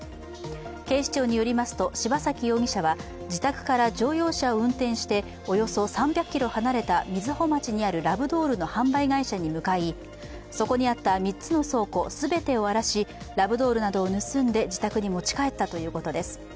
警視庁によりますと、柴崎容疑者は自宅から乗用車を運転しておよそ３００ｋｍ離れた瑞穂町にあるラブドールの販売会社に向かい、そこにあった３つの倉庫全てを荒らし、ラブドールなどを盗んで自宅に持ち帰ったということです。